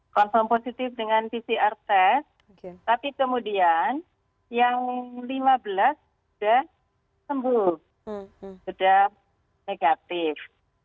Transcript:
confirm positif dengan pcr test tapi kemudian yang lima belas sudah sembuh sudah negatif